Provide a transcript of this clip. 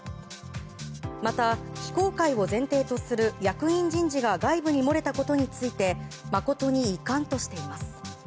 また、非公開を前提とする役員人事が外部に漏れたことについて誠に遺憾としています。